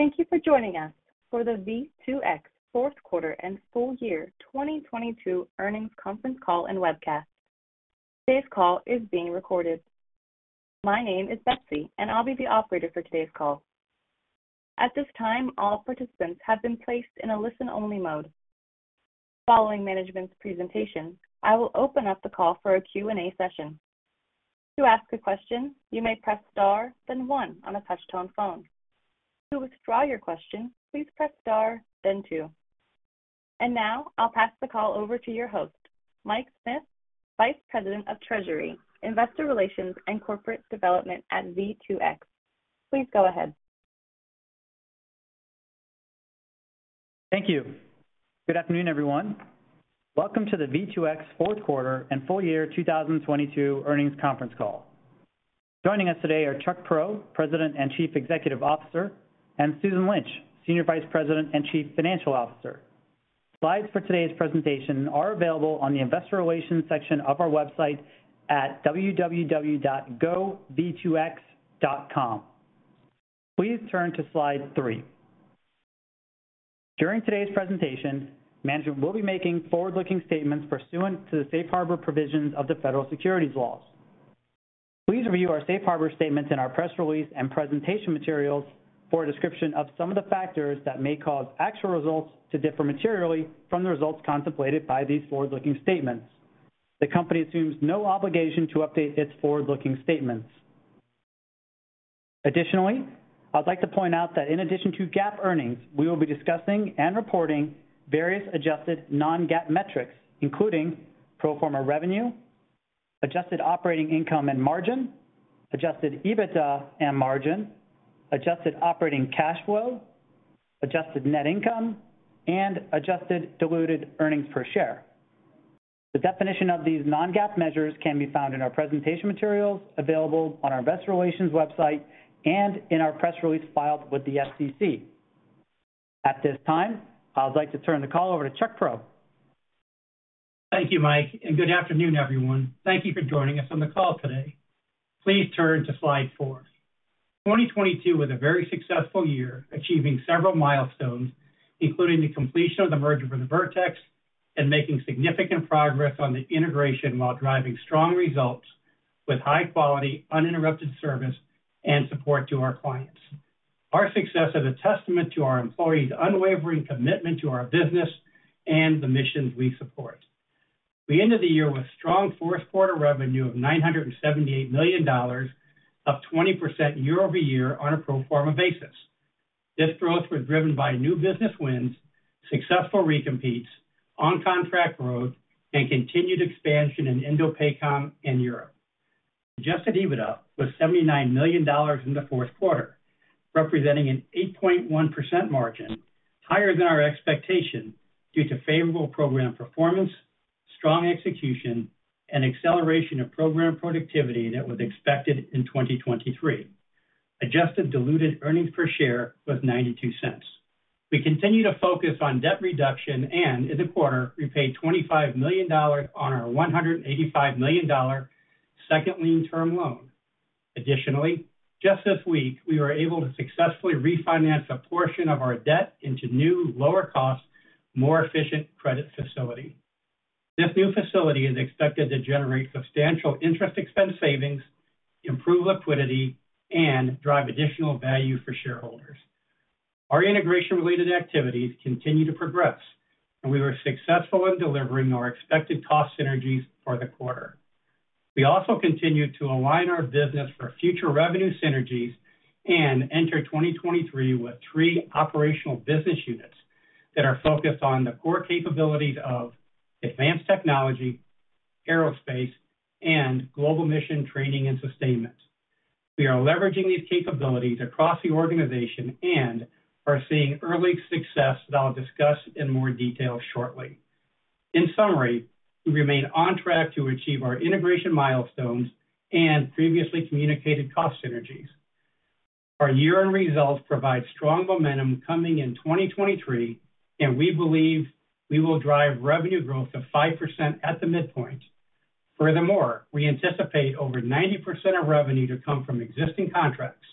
Thank you for joining us for the V2X fourth quarter and full year 2022 earnings conference call and webcast. Today's call is being recorded. My name is Betsy, and I'll be the operator for today's call. At this time, all participants have been placed in a listen-only mode. Following management's presentation, I will open up the call for a Q&A session. To ask a question, you may press star then one on a touch-tone phone. To withdraw your question, please press star then two. Now I'll pass the call over to your host, Mike Smith, Vice President of Treasury, Investor Relations, and Corporate Development at V2X. Please go ahead. Thank you. Good afternoon, everyone. Welcome to the V2X fourth quarter and full year 2022 earnings conference call. Joining us today are Chuck Prow, President and Chief Executive Officer, and Susan Lynch, Senior Vice President and Chief Financial Officer. Slides for today's presentation are available on the Investor Relations section of our website at www.gov2x.com. Please turn to slide three. During today's presentation, management will be making forward-looking statements pursuant to the safe harbor provisions of the federal securities laws. Please review our safe harbor statements in our press release and presentation materials for a description of some of the factors that may cause actual results to differ materially from the results contemplated by these forward-looking statements. The company assumes no obligation to update its forward-looking statements. Additionally, I'd like to point out that in addition to GAAP earnings, we will be discussing and reporting various adjusted non-GAAP metrics, including pro forma revenue, adjusted operating income and margin, adjusted EBITDA and margin, adjusted operating cash flow, adjusted net income, and adjusted diluted earnings per share. The definition of these non-GAAP measures can be found in our presentation materials available on our investor relations website and in our press release filed with the SEC. At this time, I'd like to turn the call over to Chuck Prow. Thank you, Mike. Good afternoon, everyone. Thank you for joining us on the call today. Please turn to slide four. 2022 was a very successful year, achieving several milestones, including the completion of the merger with Vertex and making significant progress on the integration while driving strong results with high quality, uninterrupted service and support to our clients. Our success is a testament to our employees' unwavering commitment to our business and the missions we support. We ended the year with strong fourth quarter revenue of $978 million, up 20% year-over-year on a pro forma basis. This growth was driven by new business wins, successful recompetes, on-contract growth, and continued expansion in INDOPACOM and Europe. Adjusted EBITDA was $79 million in the fourth quarter, representing an 8.1% margin, higher than our expectation due to favorable program performance, strong execution, and acceleration of program productivity that was expected in 2023. Adjusted diluted earnings per share was $0.92. We continue to focus on debt reduction. In the quarter, we paid $25 million on our $185 million second-lien term loan. Additionally, just this week, we were able to successfully refinance a portion of our debt into new, lower cost, more efficient credit facility. This new facility is expected to generate substantial interest expense savings, improve liquidity, and drive additional value for shareholders. Our integration-related activities continue to progress. We were successful in delivering our expected cost synergies for the quarter. We also continued to align our business for future revenue synergies and enter 2023 with three operational business units that are focused on the core capabilities of Advanced Technology, Aerospace, and Global Mission Training and Sustainment. We are leveraging these capabilities across the organization and are seeing early success that I'll discuss in more detail shortly. In summary, we remain on track to achieve our integration milestones and previously communicated cost synergies. Our year-end results provide strong momentum coming in 2023, and we believe we will drive revenue growth of 5% at the midpoint. We anticipate over 90% of revenue to come from existing contracts.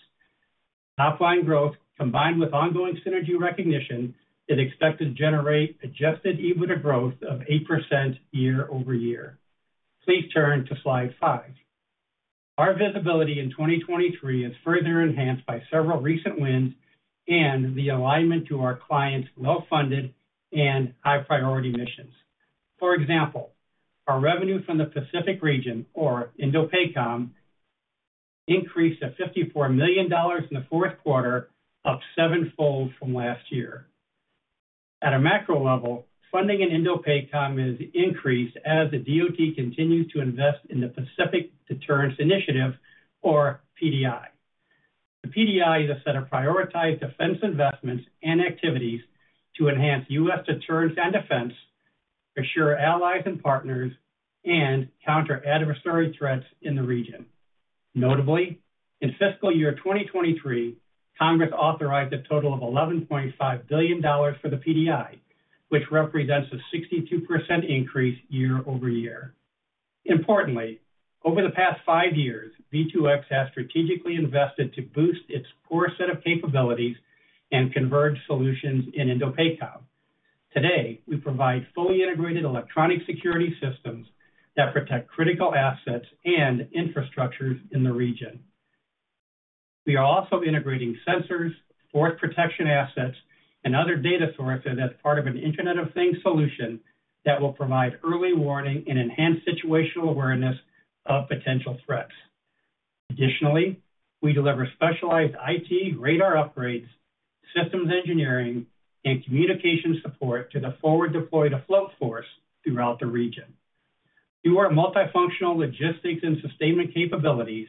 Top-line growth combined with ongoing synergy recognition is expected to generate adjusted EBITDA growth of 8% year-over-year. Please turn to slide five. Our visibility in 2023 is further enhanced by several recent wins and the alignment to our clients' well-funded and high-priority missions. For example, our revenue from the Pacific region or INDOPACOM increased to $54 million in the fourth quarter, up sevenfold from last year. At a macro level, funding in INDOPACOM has increased as the DoD continues to invest in the Pacific Deterrence Initiative or PDI. The PDI is a set of prioritized defense investments and activities to enhance U.S. deterrence and defense, assure allies and partners, and counter adversary threats in the region. Notably, in fiscal year 2023, Congress authorized a total of $11.5 billion for the PDI, which represents a 62% increase year-over-year. Importantly, over the past five years, V2X has strategically invested to boost its core set of capabilities and converge solutions in INDOPACOM. Today, we provide fully integrated electronic security systems that protect critical assets and infrastructures in the region. We are also integrating sensors, port protection assets and other data sources as part of an Internet of Things solution that will provide early warning and enhanced situational awareness of potential threats. Additionally, we deliver specialized IT radar upgrades, systems engineering and communication support to the forward-deployed afloat force throughout the region. Through our multifunctional logistics and sustainment capabilities,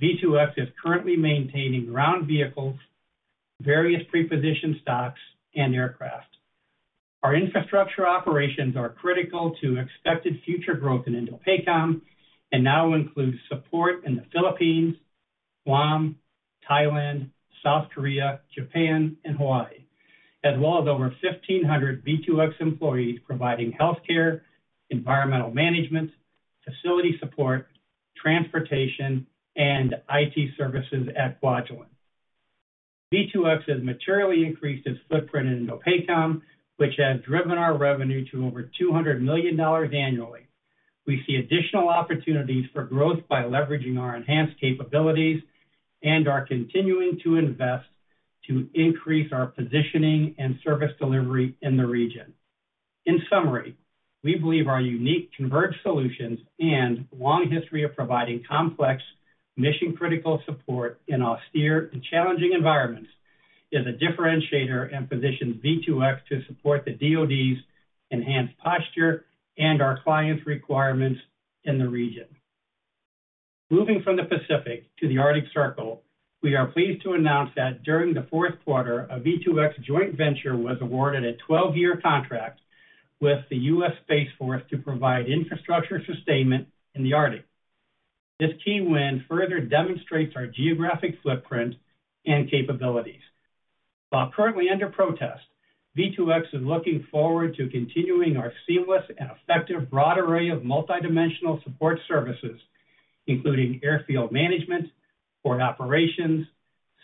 V2X is currently maintaining ground vehicles, various pre-positioned stocks and aircraft. Our infrastructure operations are critical to expected future growth in INDOPACOM, and now includes support in the Philippines, Guam, Thailand, South Korea, Japan and Hawaii, as well as over 1,500 V2X employees providing healthcare, environmental management, facility support, transportation, and IT services at Kwajalein. V2X has materially increased its footprint in INDOPACOM, which has driven our revenue to over $200 million annually. We see additional opportunities for growth by leveraging our enhanced capabilities and are continuing to invest to increase our positioning and service delivery in the region. In summary, we believe our unique converged solutions and long history of providing complex mission-critical support in austere and challenging environments is a differentiator and positions V2X to support the DoD's enhanced posture and our clients' requirements in the region. Moving from the Pacific to the Arctic Circle, we are pleased to announce that during the fourth quarter, a V2X joint venture was awarded a 12-year contract with the U.S. Space Force to provide infrastructure sustainment in the Arctic. This key win further demonstrates our geographic footprint and capabilities. While currently under protest, V2X is looking forward to continuing our seamless and effective broad array of multidimensional support services, including airfield management, port operations,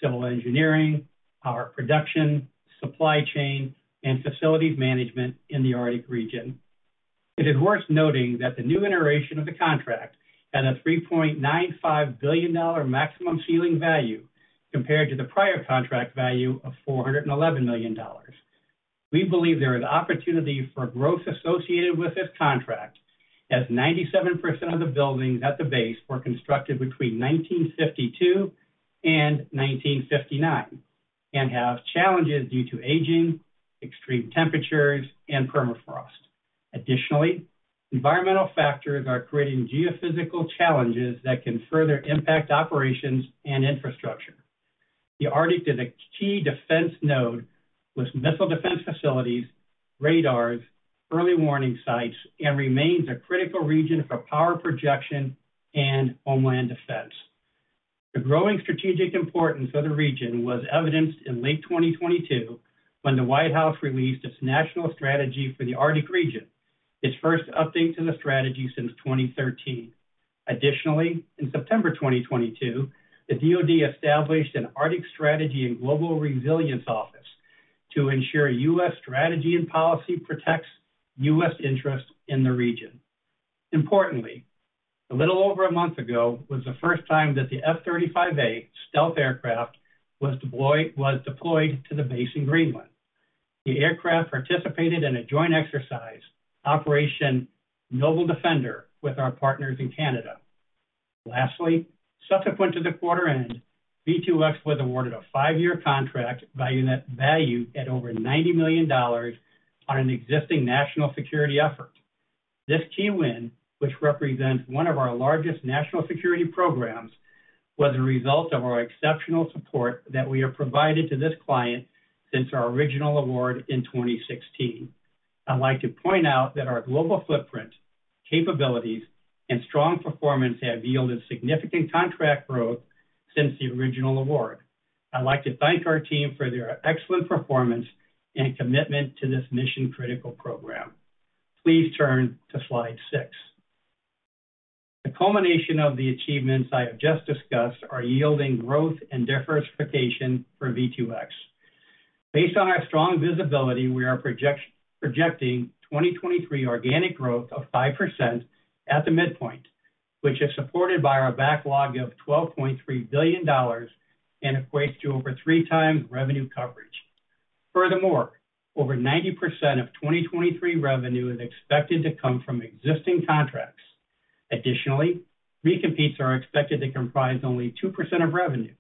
civil engineering, power production, supply chain, and facilities management in the Arctic region. It is worth noting that the new iteration of the contract had a $3.95 billion maximum ceiling value compared to the prior contract value of $411 million. We believe there is opportunity for growth associated with this contract, as 97% of the buildings at the base were constructed between 1952 and 1959, and have challenges due to aging, extreme temperatures, and permafrost. Environmental factors are creating geophysical challenges that can further impact operations and infrastructure. The Arctic is a key defense node with missile defense facilities, radars, early warning sites, and remains a critical region for power projection and homeland defense. The growing strategic importance of the region was evidenced in late 2022 when the White House released its national strategy for the Arctic region, its first update to the strategy since 2013. Additionally, in September 2022, the DoD established an Arctic Strategy and Global Resilience Office to ensure U.S. strategy and policy protects U.S. interests in the region. Importantly, a little over a month ago was the first time that the F-35A stealth aircraft was deployed to the base in Greenland. The aircraft participated in a joint exercise, Operation Noble Defender, with our partners in Canada. Lastly, subsequent to the quarter end, V2X was awarded a five-year contract valued at over $90 million on an existing national security effort. This key win, which represents one of our largest national security programs, was a result of our exceptional support that we have provided to this client since our original award in 2016. I'd like to point out that our global footprint, capabilities, and strong performance have yielded significant contract growth since the original award. I'd like to thank our team for their excellent performance and commitment to this mission-critical program. Please turn to slide six. The culmination of the achievements I have just discussed are yielding growth and diversification for V2X. Based on our strong visibility, we are projecting 2023 organic growth of 5% at the midpoint, which is supported by our backlog of $12.3 billion and equates to over 3x revenue coverage. Over 90% of 2023 revenue is expected to come from existing contracts. Recompetes are expected to comprise only 2% of revenue.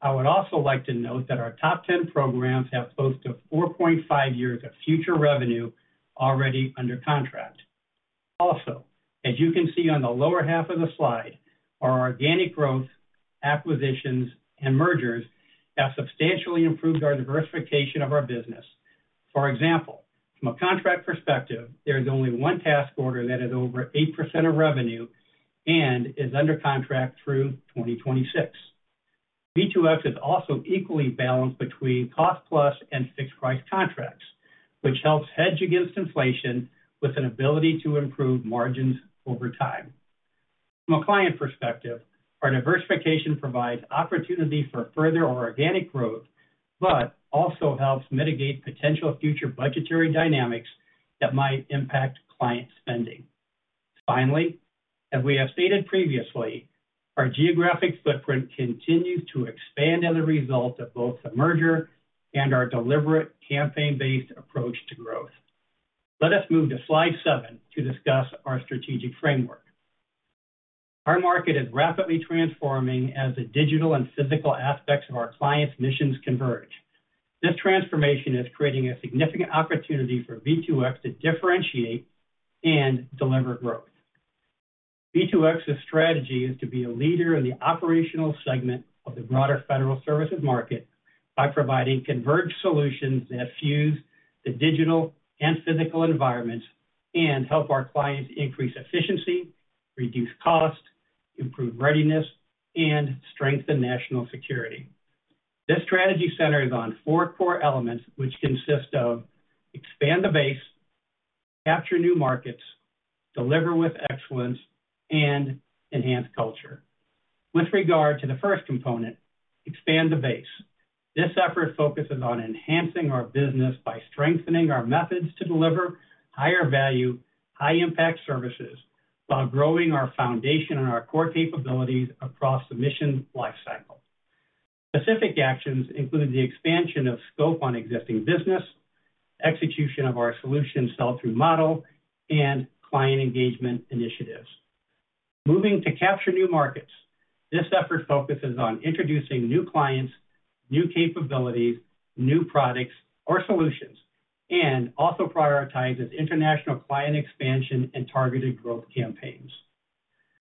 I would also like to note that our top 10 programs have close to 4.5 years of future revenue already under contract. As you can see on the lower half of the slide, our organic growth, acquisitions, and mergers have substantially improved our diversification of our business. For example, from a contract perspective, there is only one task order that is over 8% of revenue and is under contract through 2026. V2X is also equally balanced between cost plus and fixed-price contracts, which helps hedge against inflation with an ability to improve margins over time. From a client perspective, our diversification provides opportunity for further organic growth, but also helps mitigate potential future budgetary dynamics that might impact client spending. Finally, as we have stated previously, our geographic footprint continues to expand as a result of both the merger and our deliberate campaign-based approach to growth. Let us move to slide seven to discuss our strategic framework. Our market is rapidly transforming as the digital and physical aspects of our clients' missions converge. This transformation is creating a significant opportunity for V2X to differentiate and deliver growth. V2X's strategy is to be a leader in the operational segment of the broader federal services market by providing converged solutions that fuse the digital and physical environments and help our clients increase efficiency, reduce cost, improve readiness, and strengthen national security. This strategy centers on four core elements, which consist of expand the base, capture new markets, deliver with excellence, and enhance culture. With regard to the first component, expand the base. This effort focuses on enhancing our business by strengthening our methods to deliver higher value, high impact services while growing our foundation and our core capabilities across the mission lifecycle. Specific actions include the expansion of scope on existing business, execution of our solution sell-through model, and client engagement initiatives. Moving to capture new markets. This effort focuses on introducing new clients, new capabilities, new products, or solutions, and also prioritizes international client expansion and targeted growth campaigns.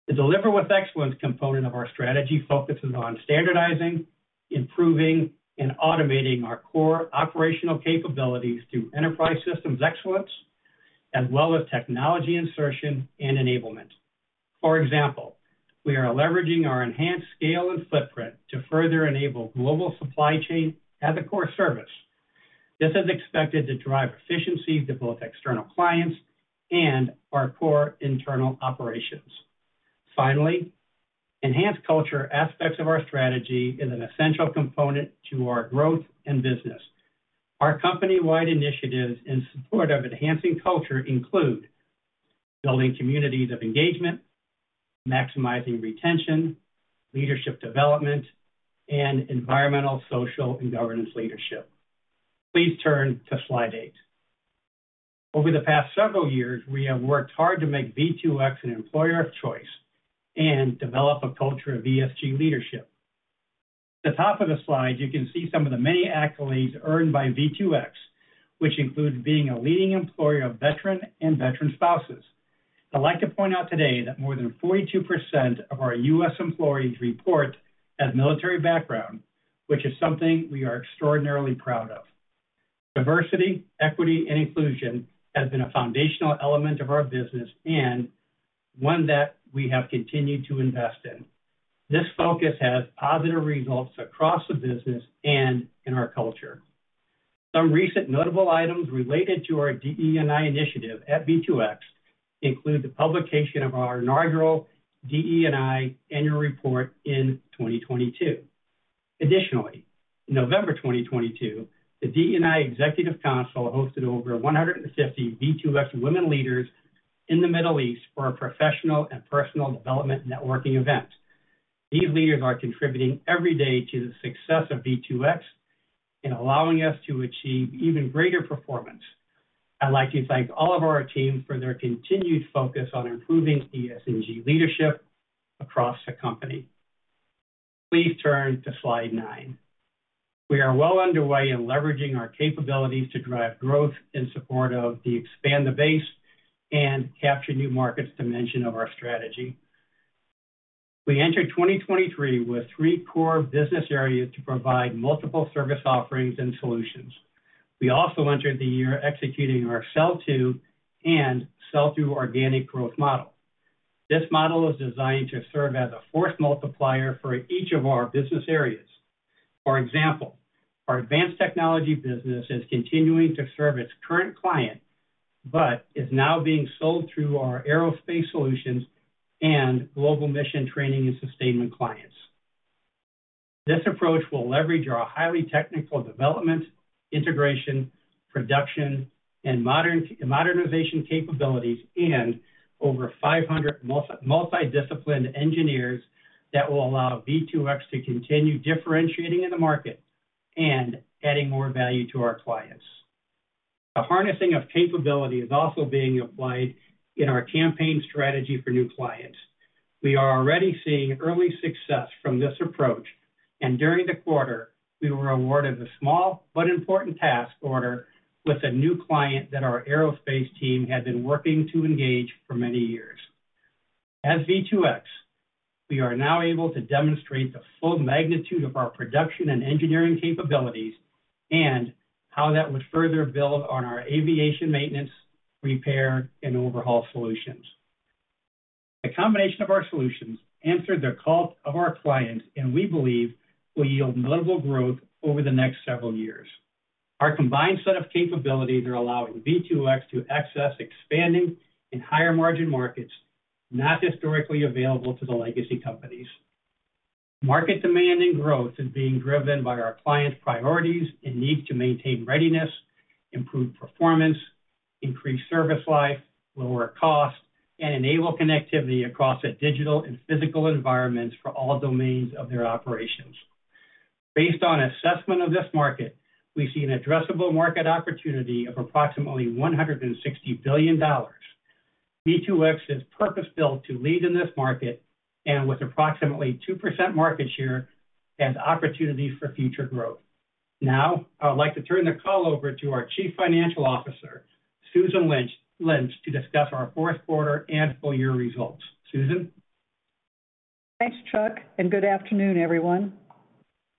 The deliver with excellence component of our strategy focuses on standardizing, improving, and automating our core operational capabilities through enterprise systems excellence, as well as technology insertion and enablement. For example, we are leveraging our enhanced scale and footprint to further enable global supply chain as a core service. This is expected to drive efficiencies to both external clients and our core internal operations. Finally, enhanced culture aspects of our strategy is an essential component to our growth and business. Our company-wide initiatives in support of enhancing culture include building communities of engagement, maximizing retention, leadership development, and environmental, social, and governance leadership. Please turn to slide eight. Over the past several years, we have worked hard to make V2X an employer of choice and develop a culture of ESG leadership. At the top of the slide, you can see some of the many accolades earned by V2X, which include being a leading employer of veteran and veteran spouses. I'd like to point out today that more than 42% of our U.S. employees report as military background, which is something we are extraordinarily proud of. Diversity, equity, and inclusion has been a foundational element of our business and one that we have continued to invest in. This focus has positive results across the business and in our culture. Some recent notable items related to our DE&I initiative at V2X include the publication of our inaugural DE&I annual report in 2022. Additionally, in November 2022, the DE&I Executive Council hosted over 150 V2X women leaders in the Middle East for a professional and personal development networking event. These leaders are contributing every day to the success of V2X in allowing us to achieve even greater performance. I'd like to thank all of our team for their continued focus on improving ESG leadership across the company. Please turn to slide nine. We are well underway in leveraging our capabilities to drive growth in support of the expand the base and capture new markets dimension of our strategy. We entered 2023 with three core business areas to provide multiple service offerings and solutions. We also entered the year executing our sell-to and sell-through organic growth model. This model is designed to serve as a force multiplier for each of our business areas. For example, our Advanced Technology business is continuing to serve its current client, but is now being sold through our Aerospace solutions and Global Mission Training and Sustainment clients. This approach will leverage our highly technical development, integration, production, and modernization capabilities and over 500 multi-disciplined engineers that will allow V2X to continue differentiating in the market and adding more value to our clients. The harnessing of capability is also being applied in our campaign strategy for new clients. We are already seeing early success from this approach, and during the quarter, we were awarded a small but important task order with a new client that our Aerospace team had been working to engage for many years. As V2X, we are now able to demonstrate the full magnitude of our production and engineering capabilities and how that would further build on our aviation maintenance, repair, and overhaul solutions. The combination of our solutions answered the call of our clients, and we believe will yield notable growth over the next several years. Our combined set of capabilities are allowing V2X to access expanding and higher margin markets not historically available to the legacy companies. Market demand and growth is being driven by our clients' priorities and need to maintain readiness, improve performance, increase service life, lower costs, and enable connectivity across the digital and physical environments for all domains of their operations. Based on assessment of this market, we see an addressable market opportunity of approximately $160 billion. V2X is purpose-built to lead in this market, and with approximately 2% market share as opportunity for future growth. Now, I would like to turn the call over to our Chief Financial Officer, Susan Lynch, to discuss our fourth quarter and full year results. Susan? Thanks, Chuck. Good afternoon, everyone.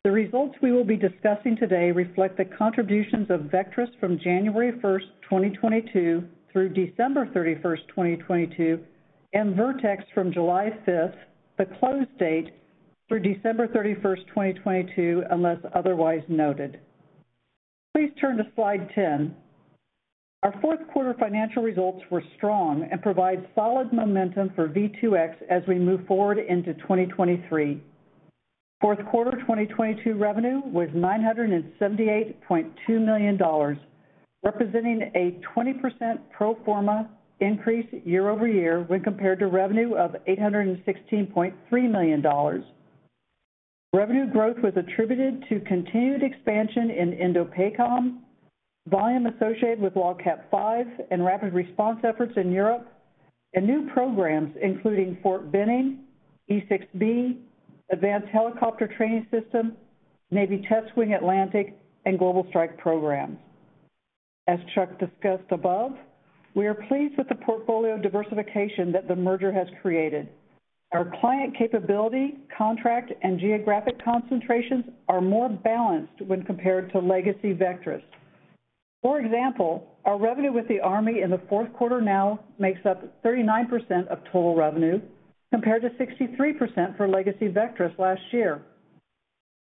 The results we will be discussing today reflect the contributions of Vectrus from January 1, 2022 through December 31, 2022 and Vertex from July 5, the close date through December 31, 2022, unless otherwise noted. Please turn to slide 10. Our fourth quarter financial results were strong and provide solid momentum for V2X as we move forward into 2023. Fourth quarter 2022 revenue was $978.2 million, representing a 20% pro forma increase year-over-year when compared to revenue of $816.3 million. Revenue growth was attributed to continued expansion in INDOPACOM, volume associated with LOGCAP V, and rapid response efforts in Europe, and new programs including Fort Benning, E-6B, Advanced Helicopter Training System, Naval Test Wing Atlantic, and Global Strike programs. As Chuck discussed above, we are pleased with the portfolio diversification that the merger has created. Our client capability, contract, and geographic concentrations are more balanced when compared to legacy Vectrus. For example, our revenue with the Army in the fourth quarter now makes up 39% of total revenue, compared to 63% for legacy Vectrus last year.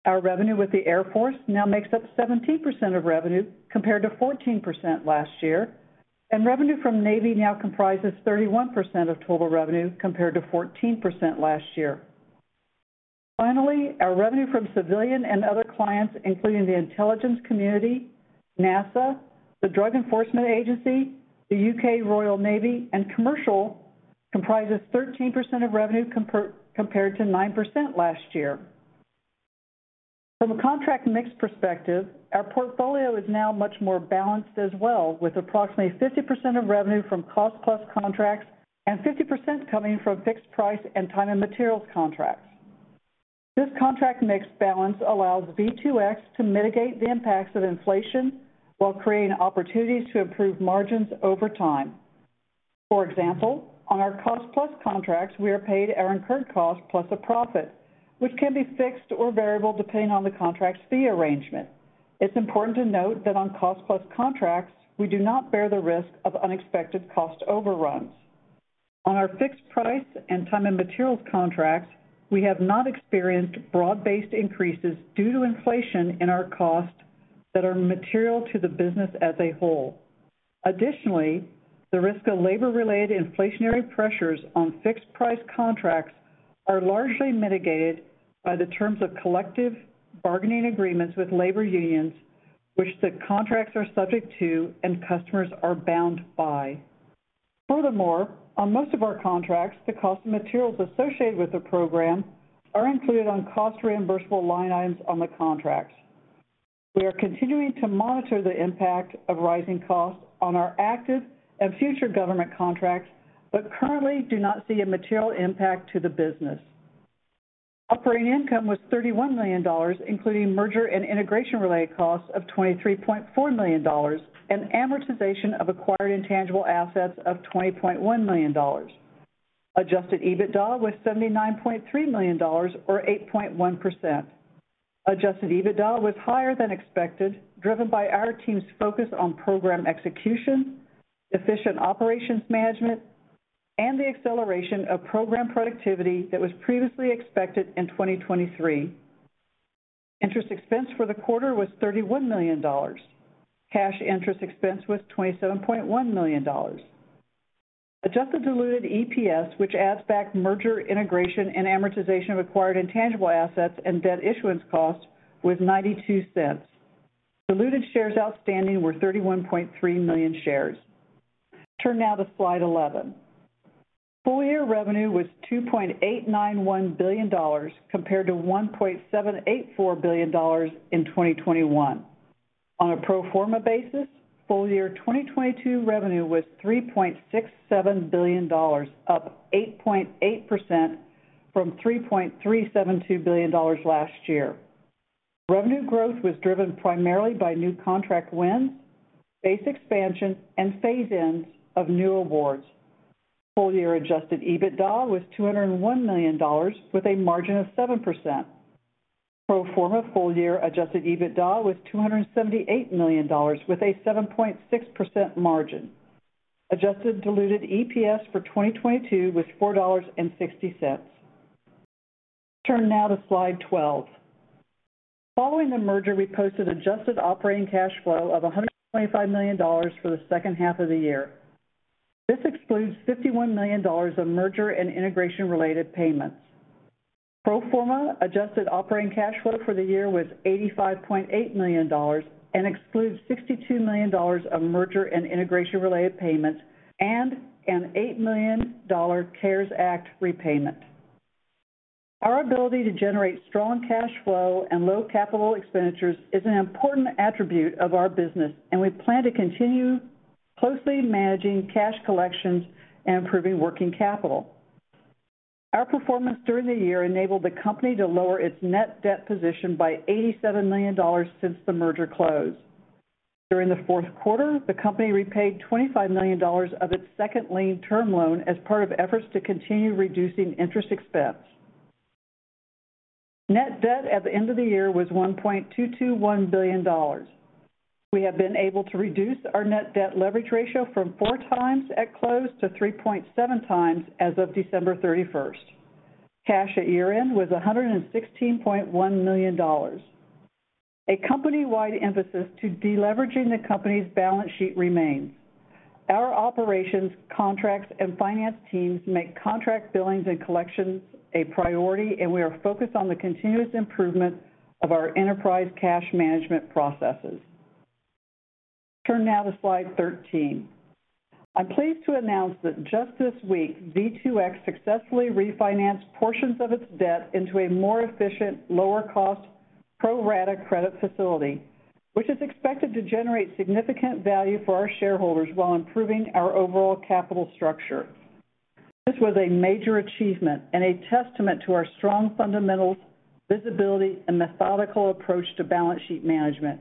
Revenue with the Air Force now makes up 17% of revenue, compared to 14% last year. Revenue from Navy now comprises 31% of total revenue, compared to 14% last year. Finally, our revenue from civilian and other clients, including the intelligence community, NASA, the Drug Enforcement Administration, the U.K. Royal Navy, and commercial, comprises 13% of revenue compared to 9% last year. From a contract mix perspective, our portfolio is now much more balanced as well, with approximately 50% of revenue from cost-plus contracts and 50% coming from fixed-price and time-and-materials contracts. This contract mix balance allows V2X to mitigate the impacts of inflation while creating opportunities to improve margins over time. For example, on our cost-plus contracts, we are paid our incurred cost plus a profit, which can be fixed or variable depending on the contract's fee arrangement. It's important to note that on cost-plus contracts, we do not bear the risk of unexpected cost overruns. On our fixed-price and time-and-materials contracts, we have not experienced broad-based increases due to inflation in our costs that are material to the business as a whole. Additionally, the risk of labor-related inflationary pressures on fixed price contracts are largely mitigated by the terms of collective bargaining agreements with labor unions, which the contracts are subject to and customers are bound by. On most of our contracts, the cost of materials associated with the program are included on cost reimbursable line items on the contracts. We are continuing to monitor the impact of rising costs on our active and future government contracts, but currently do not see a material impact to the business. Operating income was $31 million, including merger and integration-related costs of $23.4 million and amortization of acquired intangible assets of $20.1 million. Adjusted EBITDA was $79.3 million or 8.1%. Adjusted EBITDA was higher than expected, driven by our team's focus on program execution, efficient operations management, and the acceleration of program productivity that was previously expected in 2023. Interest expense for the quarter was $31 million. Cash interest expense was $27.1 million. Adjusted diluted EPS, which adds back merger integration and amortization of acquired intangible assets and debt issuance costs, was $0.92. Diluted shares outstanding were 31.3 million shares. Turn now to slide 11. Full year revenue was $2.891 billion, compared to $1.784 billion in 2021. On a pro forma basis, full year 2022 revenue was $3.67 billion, up 8.8% from $3.372 billion last year. Revenue growth was driven primarily by new contract wins, base expansion, and phase-ins of new awards. Full year adjusted EBITDA was $201 million with a margin of 7%. Pro forma full year adjusted EBITDA was $278 million with a 7.6% margin. Adjusted diluted EPS for 2022 was $4.60. Turn now to slide 12. Following the merger, we posted adjusted operating cash flow of $125 million for the second half of the year. This excludes $51 million of merger and integration-related payments. Pro forma adjusted operating cash flow for the year was $85.8 million and excludes $62 million of merger and integration-related payments and an $8 million CARES Act repayment. Our ability to generate strong cash flow and low capital expenditures is an important attribute of our business. We plan to continue closely managing cash collections and improving working capital. Our performance during the year enabled the company to lower its net debt position by $87 million since the merger closed. During the fourth quarter, the company repaid $25 million of its second-lien term loan as part of efforts to continue reducing interest expense. Net debt at the end of the year was $1.221 billion. We have been able to reduce our net debt leverage ratio from 4x at close to 3.7x as of December 31st. Cash at year-end was $116.1 million. A company-wide emphasis to deleveraging the company's balance sheet remains. Our operations, contracts and finance teams make contract billings and collections a priority, and we are focused on the continuous improvement of our enterprise cash management processes. Turn now to slide 13. I'm pleased to announce that just this week, V2X successfully refinanced portions of its debt into a more efficient, lower cost pro-rata credit facility, which is expected to generate significant value for our shareholders while improving our overall capital structure. This was a major achievement and a testament to our strong fundamentals, visibility, and methodical approach to balance sheet management.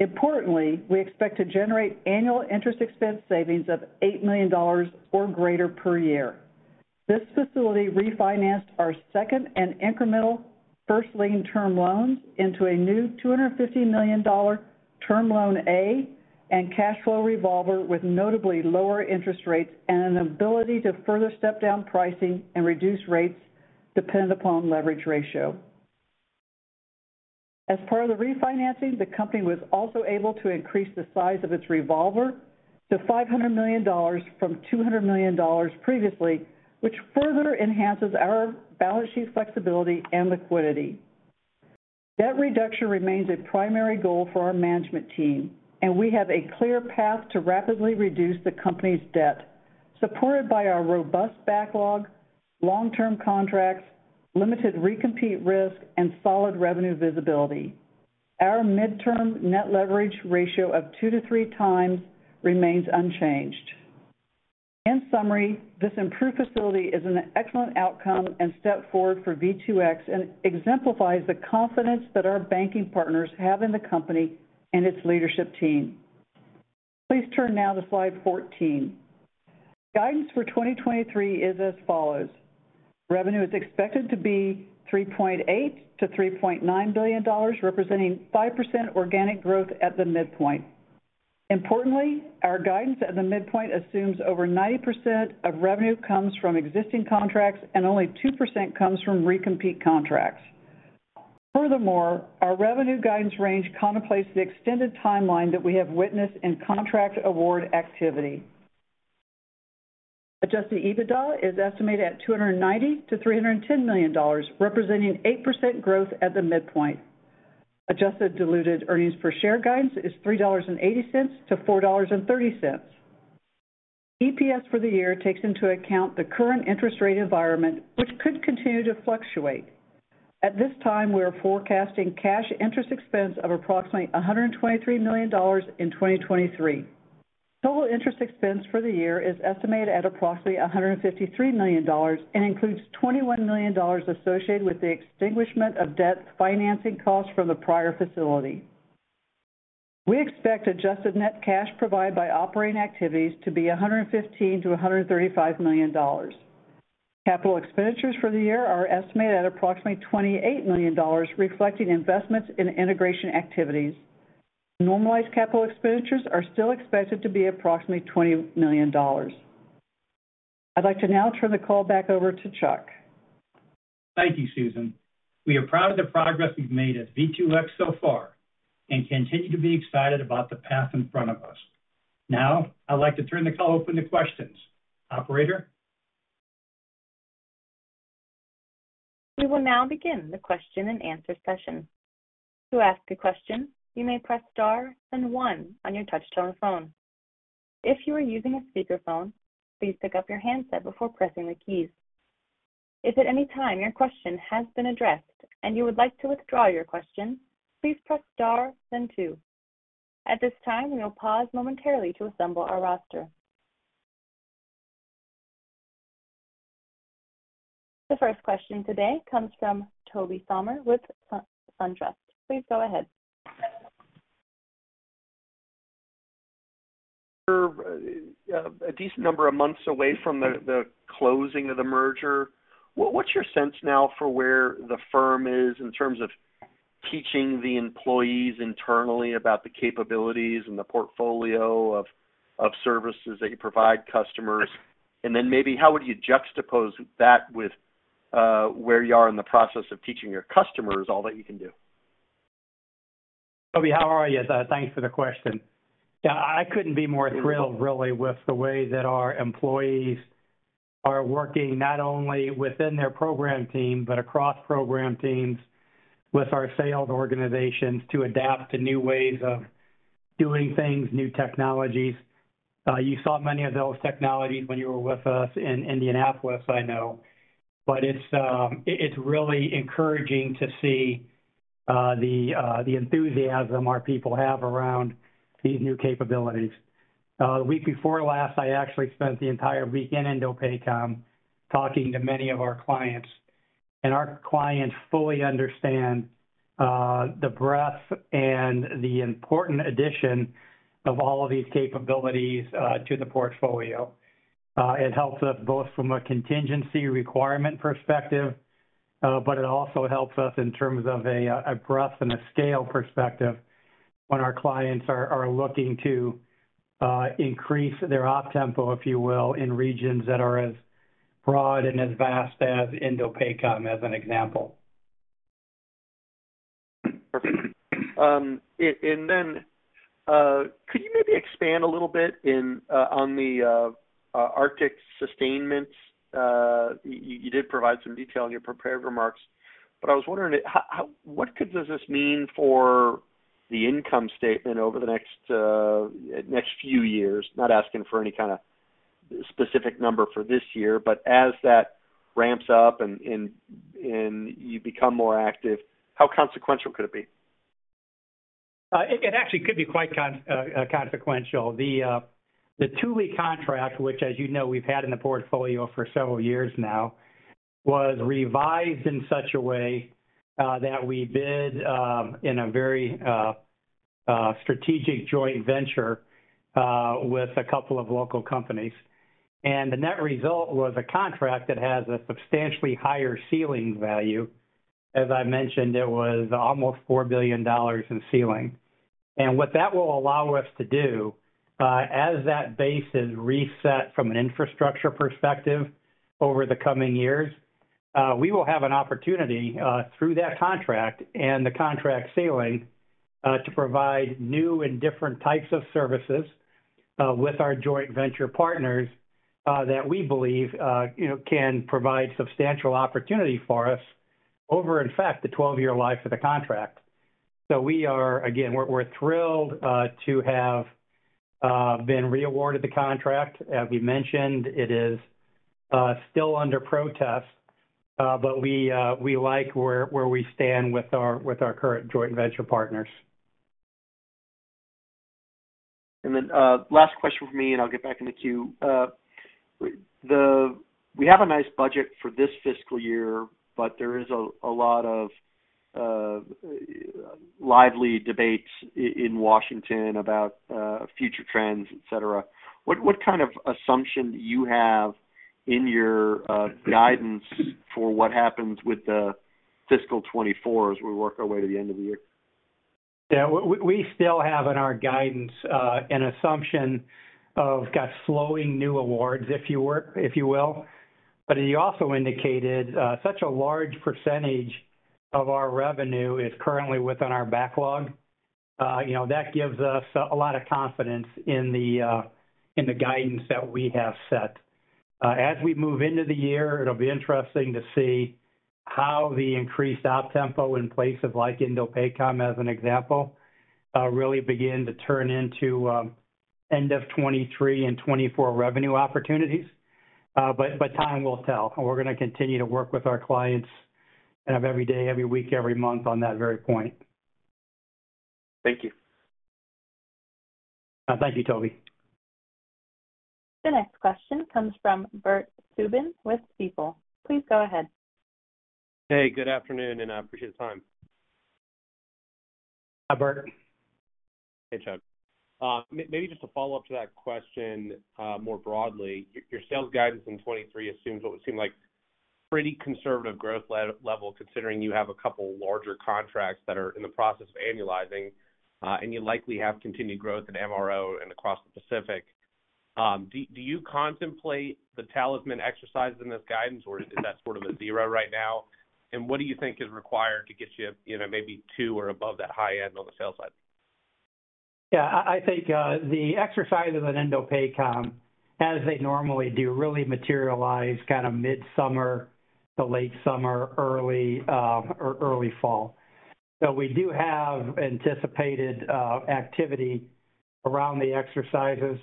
Importantly, we expect to generate annual interest expense savings of $8 million or greater per year. This facility refinanced our second and incremental first-lien term loans into a new $250 million Term Loan A and cash-flow revolver with notably lower interest rates and an ability to further step down pricing and reduce rates depend upon leverage ratio. As part of the refinancing, the company was also able to increase the size of its revolver to $500 million from $200 million previously, which further enhances our balance sheet flexibility and liquidity. Debt reduction remains a primary goal for our management team, and we have a clear path to rapidly reduce the company's debt, supported by our robust backlog, long-term contracts, limited recompete risk, and solid revenue visibility. Our midterm net leverage ratio of 2x-3x remains unchanged. In summary, this improved facility is an excellent outcome and step forward for V2X and exemplifies the confidence that our banking partners have in the company and its leadership team. Please turn now to slide 14. Guidance for 2023 is as follows: Revenue is expected to be $3.8 billion-$3.9 billion, representing 5% organic growth at the midpoint. Importantly, our guidance at the midpoint assumes over 90% of revenue comes from existing contracts and only 2% comes from recompete contracts. Our revenue guidance range contemplates the extended timeline that we have witnessed in contract award activity. Adjusted EBITDA is estimated at $290 million-$310 million, representing 8% growth at the midpoint. Adjusted diluted earnings per share guidance is $3.80-$4.30. EPS for the year takes into account the current interest rate environment, which could continue to fluctuate. At this time, we are forecasting cash interest expense of approximately $123 million in 2023. Total interest expense for the year is estimated at approximately $153 million and includes $21 million associated with the extinguishment of debt financing costs from the prior facility. We expect adjusted net cash provided by operating activities to be $115 million-$135 million. Capital expenditures for the year are estimated at approximately $28 million, reflecting investments in integration activities. Normalized capital expenditures are still expected to be approximately $20 million. I'd like to now turn the call back over to Chuck. Thank you, Susan. We are proud of the progress we've made at V2X so far and continue to be excited about the path in front of us. Now, I'd like to turn the call open to questions. Operator? We will now begin the question and answer session. To ask a question, you may press star one on your touchtone phone. If you are using a speakerphone, please pick up your handset before pressing the keys. If at any time your question has been addressed and you would like to withdraw your question, please press star two. At this time, we will pause momentarily to assemble our roster. The first question today comes from Tobey Sommer with Truist. Please go ahead A decent number of months away from the closing of the merger. What's your sense now for where the firm is in terms of teaching the employees internally about the capabilities and the portfolio of services that you provide customers? Maybe how would you juxtapose that with where you are in the process of teaching your customers all that you can do? Tobey, how are you? Thanks for the question. Yeah, I couldn't be more thrilled really with the way that our employees are working, not only within their program team, but across program teams with our sales organizations to adapt to new ways of doing things, new technologies. You saw many of those technologies when you were with us in Indianapolis, I know. But it's really encouraging to see the enthusiasm our people have around these new capabilities. The week before last, I actually spent the entire week in INDOPACOM talking to many of our clients. Our clients fully understand the breadth and the important addition of all of these capabilities to the portfolio. it helps us both from a contingency requirement perspective, but it also helps us in terms of a breadth and a scale perspective when our clients are looking to increase their OPTEMPO, if you will, in regions that are as broad and as vast as INDOPACOM as an example. Perfect. Then, could you maybe expand a little bit in on the Arctic sustainments? You did provide some detail in your prepared remarks, I was wondering what could does this mean for the income statement over the next few years? Not asking for any kind of specific number for this year, as that ramps up and you become more active, how consequential could it be? It actually could be quite consequential. The Thule contract, which as you know we've had in the portfolio for several years now, was revised in such a way that we bid in a very strategic joint venture with a couple of local companies. The net result was a contract that has a substantially higher ceiling value. As I mentioned, it was almost $4 billion in ceiling. What that will allow us to do, as that base is reset from an infrastructure perspective over the coming years, we will have an opportunity, through that contract and the contract ceiling, to provide new and different types of services, with our joint venture partners, that we believe, you know, can provide substantial opportunity for us over, in fact, the 12-year life of the contract. We are, again, we're thrilled to have been re-awarded the contract. We mentioned, it is still under protest, but we like where we stand with our current joint venture partners. Last question from me, and I'll get back in the queue. We have a nice budget for this fiscal year, but there is a lot of lively debates in Washington about future trends, et cetera. What kind of assumption do you have in your guidance for what happens with the fiscal 2024 as we work our way to the end of the year? Yeah. We still have in our guidance an assumption of got slowing new awards, if you will. You also indicated such a large percentage of our revenue is currently within our backlog. You know, that gives us a lot of confidence in the guidance that we have set. As we move into the year, it'll be interesting to see how the increased OPTEMPO in place of like INDOPACOM as an example, really begin to turn into end of 2023 and 2024 revenue opportunities. But time will tell, we're gonna continue to work with our clients and every day, every week, every month on that very point. Thank you. Thank you, Tobey. The next question comes from Bert Subin with Stifel. Please go ahead. Hey, good afternoon. I appreciate the time. Hi, Bert. Hey, Chuck. Maybe just a follow-up to that question, more broadly. Your sales guidance in 23 assumes what would seem like pretty conservative growth level, considering you have a couple larger contracts that are in the process of annualizing, and you likely have continued growth at MRO and across the Pacific. Do you contemplate the Talisman exercise in this guidance, or is that sort of a zero right now? What do you think is required to get you know, maybe 2 and above that high end on the sales side? I think, the exercise of an INDOPACOM, as they normally do, really materialize kind of mid-summer to late summer, early fall. We do have anticipated activity around the exercises.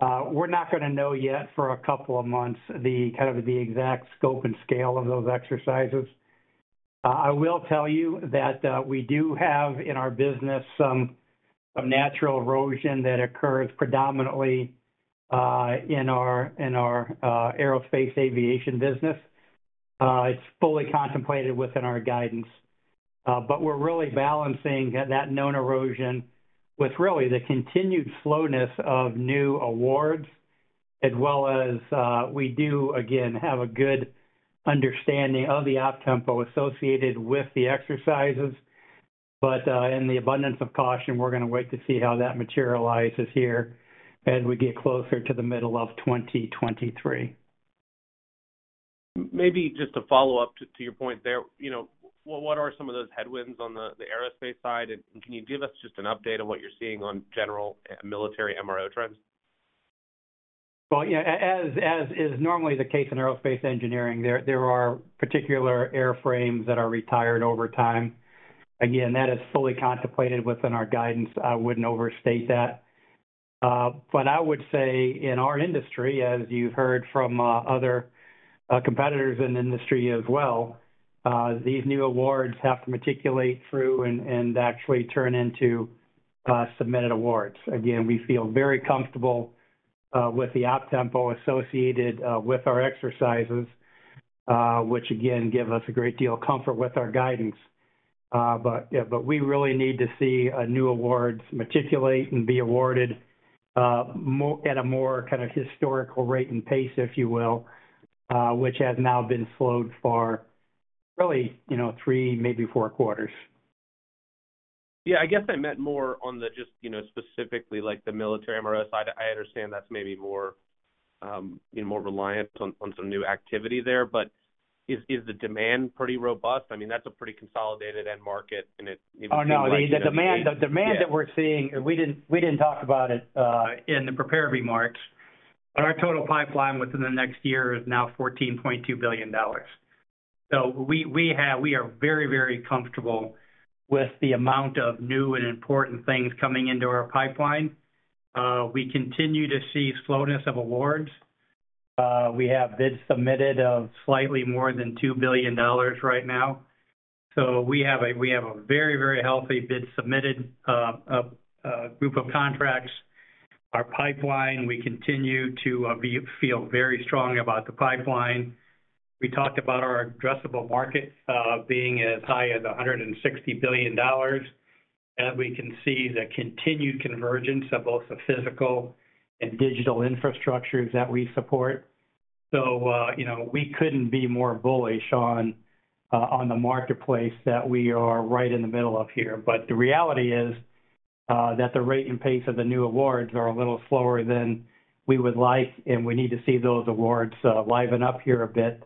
We're not gonna know yet for a couple of months, the kind of the exact scope and scale of those exercises. I will tell you that we do have in our business some natural erosion that occurs predominantly in our Aerospace aviation business. It's fully contemplated within our guidance. We're really balancing that known erosion with really the continued slowness of new awards, as well as, we do, again, have a good understanding of the OPTEMPO associated with the exercises. In the abundance of caution, we're gonna wait to see how that materializes here as we get closer to the middle of 2023. Maybe just to follow up to your point there, you know, what are some of those headwinds on the Aerospace side? Can you give us just an update on what you're seeing on general military MRO trends? Well, yeah, as is normally the case in Aerospace engineering, there are particular airframes that are retired over time. Again, that is fully contemplated within our guidance. I wouldn't overstate that. I would say in our industry, as you've heard from other competitors in the industry as well, these new awards have to matriculate through and actually turn into submitted awards. Again, we feel very comfortable with the OPTEMPO associated with our exercises, which, again, give us a great deal of comfort with our guidance. But, yeah. We really need to see new awards matriculate and be awarded at a more kind of historical rate and pace, if you will, which has now been slowed for really, you know, three, maybe four quarters. Yeah. I guess I meant more on the just, you know, specifically like the military MRO side. I understand that's maybe more, you know, more reliant on some new activity there, but is the demand pretty robust? I mean, that's a pretty consolidated end market. It seems like, you know... Oh, no. Yeah The demand that we're seeing, we didn't talk about it in the prepared remarks, our total pipeline within the next year is now $14.2 billion. We are very, very comfortable with the amount of new and important things coming into our pipeline. We continue to see slowness of awards. We have bids submitted of slightly more than $2 billion right now. We have a very, very healthy bid submitted group of contracts. Our pipeline, we continue to feel very strong about the pipeline. We talked about our addressable market being as high as $160 billion, we can see the continued convergence of both the physical and digital infrastructures that we support. You know, we couldn't be more bullish on the marketplace that we are right in the middle of here. The reality is that the rate and pace of the new awards are a little slower than we would like, and we need to see those awards liven up here a bit.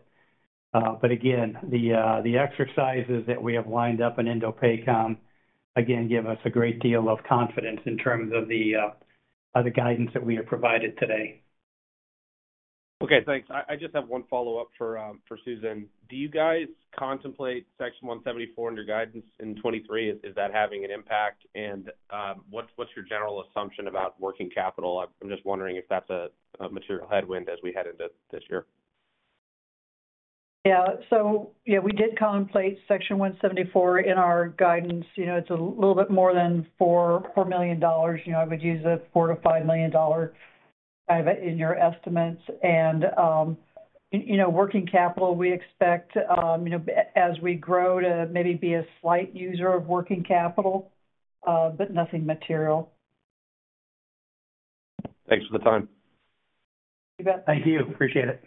Again, the exercises that we have lined up in INDOPACOM, again, give us a great deal of confidence in terms of the guidance that we have provided today. Okay, thanks. I just have one follow-up for Susan. Do you guys contemplate Section 174 in your guidance in 2023? Is that having an impact? What's your general assumption about working capital? I'm just wondering if that's a material headwind as we head into this year. Yeah. Yeah, we did contemplate Section 174 in our guidance. You know, it's a little bit more than $4 million. You know, I would use a $4 million-$5 million kind of in your estimates. You know, working capital, we expect, you know, as we grow to maybe be a slight user of working capital, but nothing material. Thanks for the time. You bet. Thank you. Appreciate it.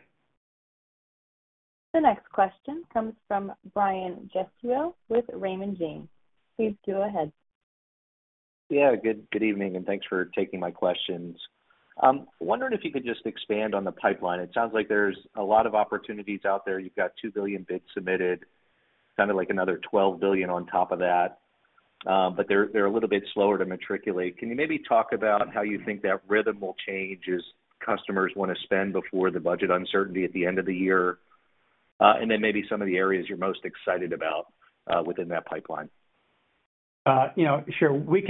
The next question comes from Brian Gesuale with Raymond James. Please go ahead. Yeah. Good, good evening, and thanks for taking my questions. Wondering if you could just expand on the pipeline. It sounds like there's a lot of opportunities out there. You've got $2 billion bids submitted, sounded like another $12 billion on top of that. They're a little bit slower to matriculate. Can you maybe talk about how you think that rhythm will change as customers wanna spend before the budget uncertainty at the end of the year? Then maybe some of the areas you're most excited about, within that pipeline. You know, sure. We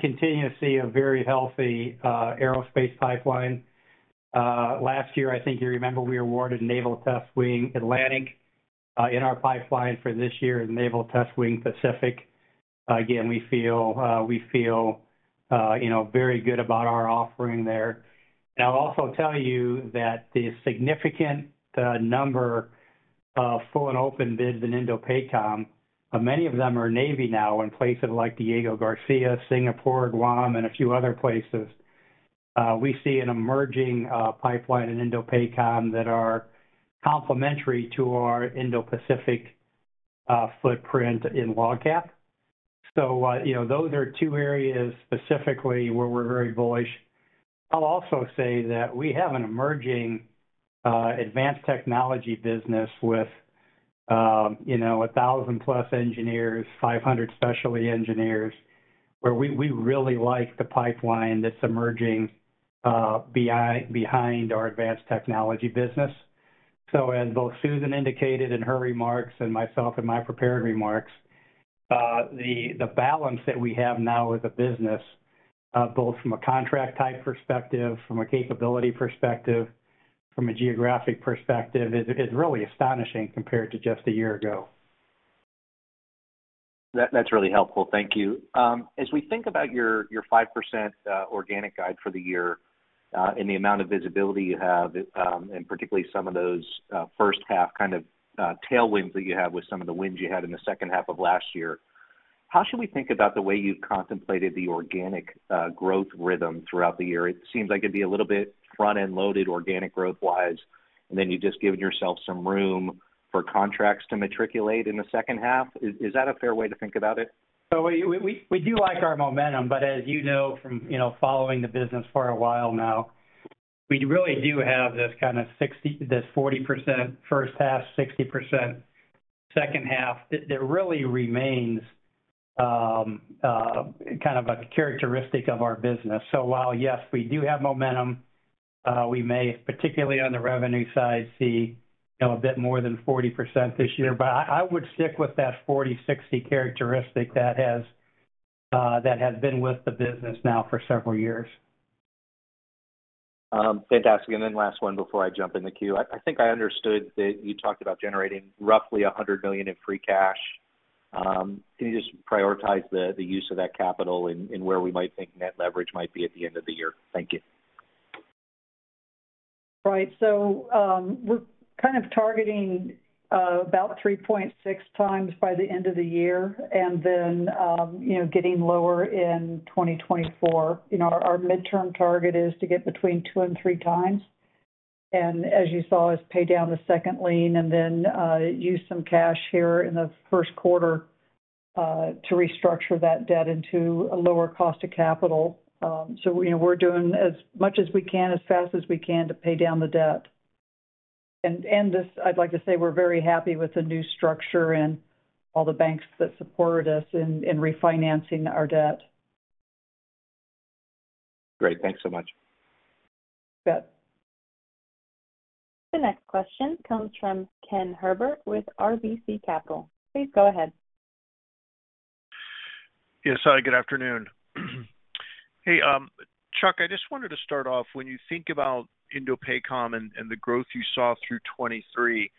continue to see a very healthy Aerospace pipeline. Last year, I think you remember, we awarded Naval Test Wing Atlantic. In our pipeline for this year is Naval Test Wing Pacific. Again, we feel, you know, very good about our offering there. I'll also tell you that the significant number of full and open bids in INDOPACOM, many of them are Navy now in places like Diego Garcia, Singapore, Guam, and a few other places. We see an emerging pipeline in INDOPACOM that are complementary to our Indo-Pacific footprint in LOGCAP. You know, those are two areas specifically where we're very bullish. I'll also say that we have an emerging Advanced Technology business with, you know, 1,000+ engineers, 500 specialty engineers, where we really like the pipeline that's emerging behind our Advanced Technology business. As both Susan indicated in her remarks and myself in my prepared remarks, the balance that we have now as a business, both from a contract type perspective, from a capability perspective, from a geographic perspective, is really astonishing compared to just a year ago. That's really helpful. Thank you. As we think about your 5% organic guide for the year. The amount of visibility you have, and particularly some of those first half kind of tailwinds that you have with some of the winds you had in the second half of last year. How should we think about the way you've contemplated the organic growth rhythm throughout the year? It seems like it'd be a little bit front-end loaded organic growth-wise, and then you've just given yourself some room for contracts to matriculate in the second half. Is that a fair way to think about it? We do like our momentum, but as you know from, you know, following the business for a while now, we really do have this kind of 40% first half, 60% second half that really remains a characteristic of our business. While, yes, we do have momentum, we may, particularly on the revenue side, see, you know, a bit more than 40% this year. I would stick with that 40/60 characteristic that has been with the business now for several years. Fantastic. Then last one before I jump in the queue. I think I understood that you talked about generating roughly $100 million in free cash. Can you just prioritize the use of that capital and where we might think net leverage might be at the end of the year? Thank you. Right. We're kind of targeting about 3.6x by the end of the year and then, you know, getting lower in 2024. You know, our midterm target is to get between 2x and 3x. As you saw us pay down the second lien and then, use some cash here in the first quarter to restructure that debt into a lower cost of capital. You know, we're doing as much as we can, as fast as we can to pay down the debt. This, I'd like to say we're very happy with the new structure and all the banks that supported us in refinancing our debt. Great. Thanks so much. You bet. The next question comes from Ken Herbert with RBC Capital. Please go ahead. Yes. Hi, good afternoon. Hey, Chuck, I just wanted to start off, when you think about INDOPACOM and the growth you saw through 2023,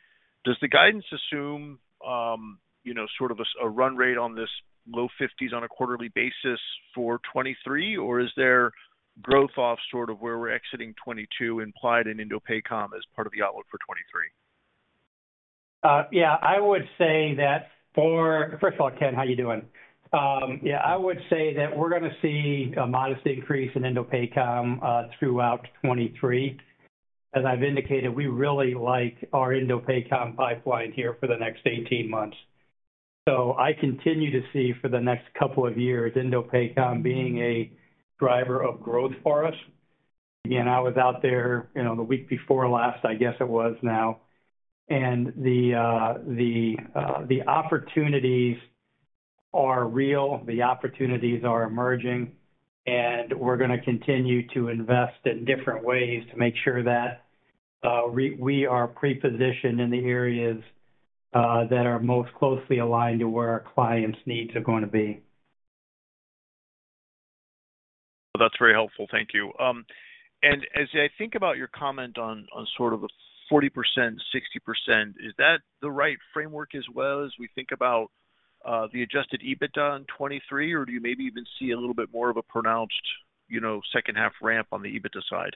does the guidance assume, you know, sort of a run rate on this low 50s on a quarterly basis for 2023? Or is there growth off sort of where we're exiting 2022 implied in INDOPACOM as part of the outlook for 2023? Yeah, I would say that First of all, Ken, how you doing? Yeah, I would say that we're gonna see a modest increase in INDOPACOM throughout 2023. As I've indicated, we really like our INDOPACOM pipeline here for the next 18 months. I continue to see for the next couple of years, INDOPACOM being a driver of growth for us. Again, I was out there, you know, the week before last, I guess it was now, and the opportunities are real, the opportunities are emerging, and we're gonna continue to invest in different ways to make sure that we are pre-positioned in the areas that are most closely aligned to where our clients' needs are gonna be. That's very helpful. Thank you. As I think about your comment on sort of a 40%, 60%, is that the right framework as well as we think about the adjusted EBITDA in 2023? Do you maybe even see a little bit more of a pronounced, you know, second half ramp on the EBITDA side?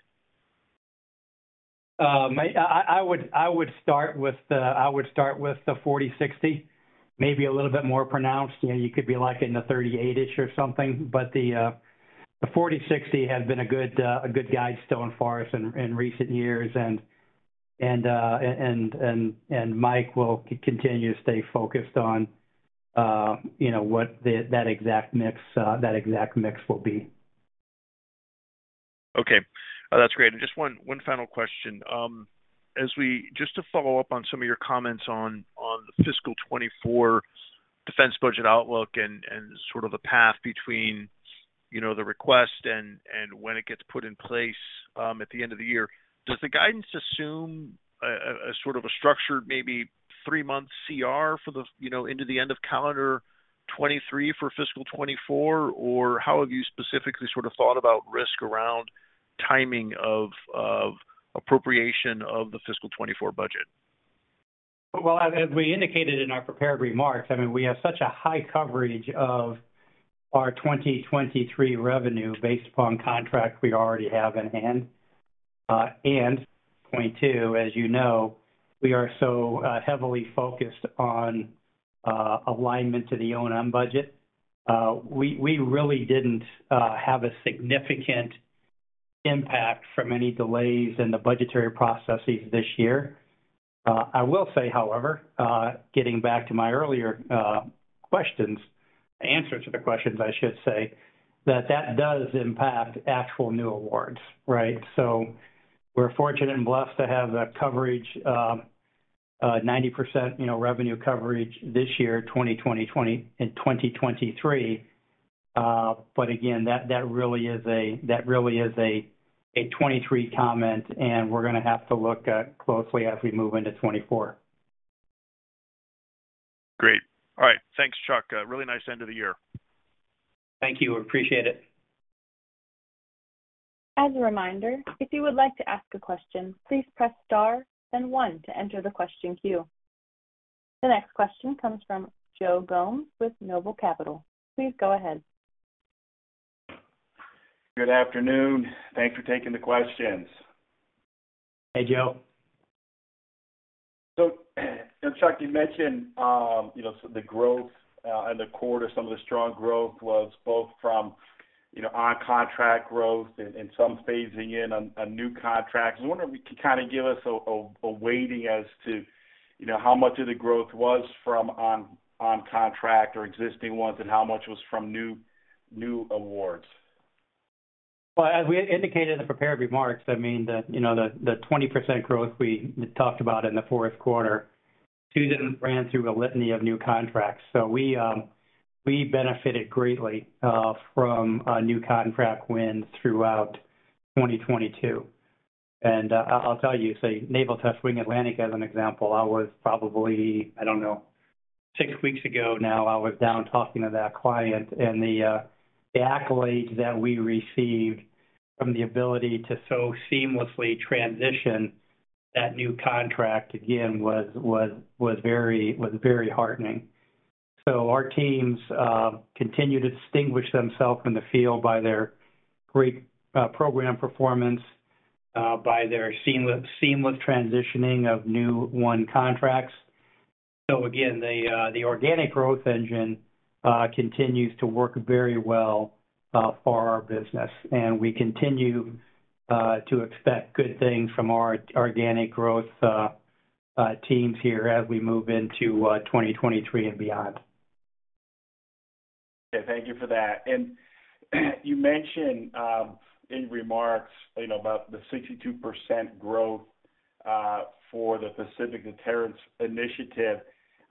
I would start with the 40/60, maybe a little bit more pronounced. You know, you could be like in the 38-ish or something. The 40/60 has been a good guidestone for us in recent years. Mike will continue to stay focused on, you know, what the, that exact mix, that exact mix will be. Okay. That's great. Just one final question. Just to follow up on some of your comments on the fiscal 2024 defense budget outlook and sort of the path between, you know, the request and when it gets put in place at the end of the year. Does the guidance assume a sort of a structured maybe three-month CR for the, you know, into the end of calendar 2023 for fiscal 2024? Or how have you specifically sort of thought about risk around timing of appropriation of the fiscal 2024 budget? Well, as we indicated in our prepared remarks, I mean, we have such a high coverage of our 2023 revenue based upon contract we already have in hand. Point two, as you know, we are so heavily focused on alignment to the O&M budget. We really didn't have a significant impact from any delays in the budgetary processes this year. I will say, however, getting back to my earlier questions, answers to the questions, I should say, that does impact actual new awards, right? We're fortunate and blessed to have that coverage, 90%, you know, revenue coverage this year, in 2023. Again, that really is a 2023 comment, and we're gonna have to look closely as we move into 2024. Great. All right. Thanks, Chuck. A really nice end of the year. Thank you. Appreciate it. As a reminder, if you would like to ask a question, please press star then one to enter the question queue. The next question comes from Joe Gomes with Noble Capital. Please go ahead. Good afternoon. Thanks for taking the questions. Hey, Joe. Chuck, you mentioned, you know, the growth in the quarter, some of the strong growth was both from, you know, on-contract growth and some phasing in on new contracts. I was wondering if you could kinda give us a weighting as to, you know, how much of the growth was from on contract or existing ones, and how much was from new awards? Well, as we indicated in the prepared remarks, I mean, you know, the 20% growth we talked about in the fourth quarter, Susan ran through a litany of new contracts. We benefited greatly from new contract wins throughout 2022. Naval Test Wing Atlantic as an example, I was probably, I don't know, 6 weeks ago now, I was down talking to that client, and the accolade that we received from the ability to so seamlessly transition that new contract again was very heartening. Our teams continue to distinguish themselves in the field by their great program performance, by their seamless transitioning of new won contracts. Again, the organic growth engine continues to work very well for our business. We continue to expect good things from our organic growth teams here as we move into 2023 and beyond. Okay, thank you for that. You mentioned, in remarks, you know, about the 62% growth for the Pacific Deterrence Initiative.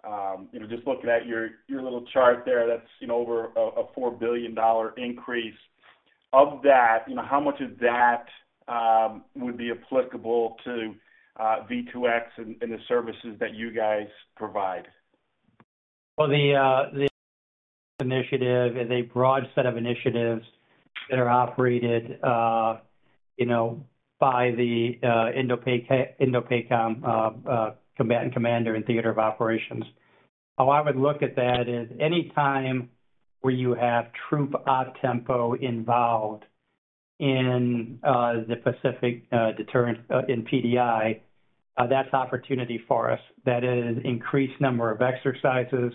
You know, just looking at your little chart there, that's, you know, over a $4 billion increase. Of that, you know, how much of that would be applicable to V2X and the services that you guys provide? Well, the initiative is a broad set of initiatives that are operated, you know, by the INDOPACOM combatant commander in theater of operations. How I would look at that is any time where you have troop OPTEMPO involved in the Pacific deterrent in PDI, that's opportunity for us. That is increased number of exercises.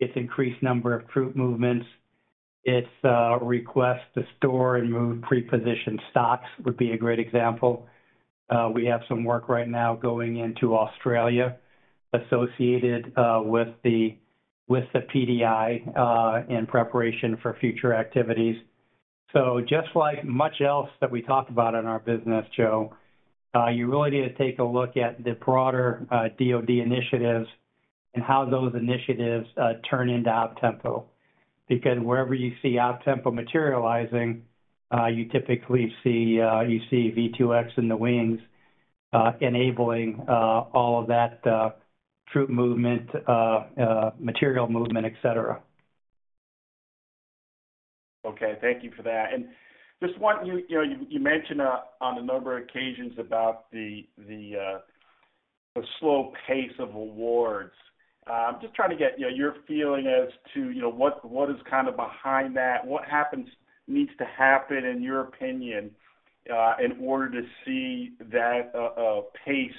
It's increased number of troop movements. It's requests to store and move pre-positioned stocks would be a great example. We have some work right now going into Australia associated with the PDI in preparation for future activities. Just like much else that we talk about in our business, Joe, you really need to take a look at the broader DoD initiatives and how those initiatives turn into OPTEMPO. Wherever you see OPTEMPO materializing, you typically see V2X and the wings, enabling, all of that, troop movement, material movement, et cetera. Okay, thank you for that. Just one, you know, you mentioned on a number of occasions about the slow pace of awards. I'm just trying to get, you know, your feeling as to, you know, what is kind of behind that. What needs to happen in your opinion, in order to see that pace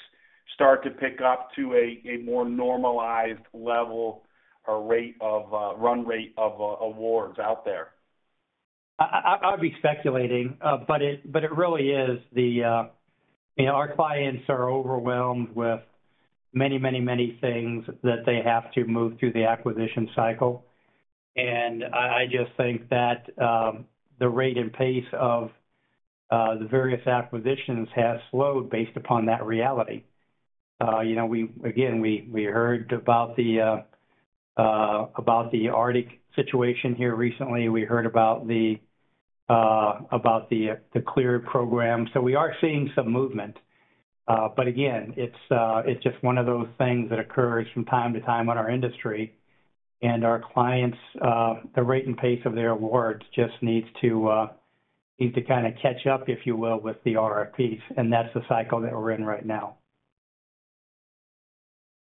start to pick up to a more normalized level or rate of run rate of awards out there? I'd be speculating, but it really is the, you know, our clients are overwhelmed with many, many, many things that they have to move through the acquisition cycle. I just think that the rate and pace of the various acquisitions has slowed based upon that reality. You know, we again, we heard about the Arctic situation here recently. We heard about the CLEAR program. We are seeing some movement. But again, it's just one of those things that occurs from time to time in our industry. Our clients, the rate and pace of their awards just needs to kind of catch up, if you will, with the RFPs, and that's the cycle that we're in right now.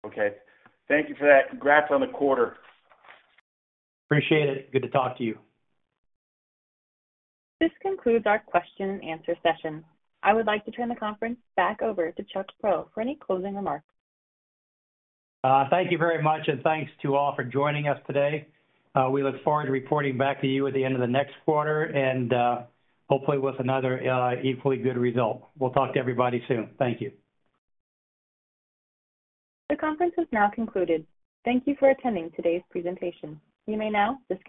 Okay. Thank you for that. Congrats on the quarter. Appreciate it. Good to talk to you. This concludes our question and answer session. I would like to turn the conference back over to Chuck Prow for any closing remarks. Thank you very much, and thanks to all for joining us today. We look forward to reporting back to you at the end of the next quarter, and hopefully with another equally good result. We'll talk to everybody soon. Thank you. The conference has now concluded. Thank you for attending today's presentation. You may now disconnect.